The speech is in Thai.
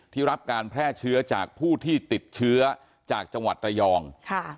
รับการแพร่เชื้อจากผู้ที่ติดเชื้อจากจังหวัดระยองค่ะ